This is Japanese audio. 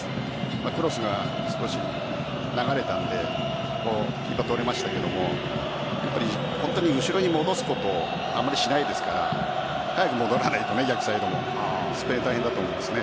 クロスが少し流れたのでキーパー、取れましたけど本当に後ろに戻すことをあまりしないですから早く戻らないと逆サイドもスペインは大変だと思います。